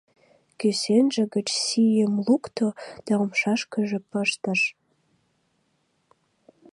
Кӱсенже гыч сийым лукто да умшашкыже пыштыш.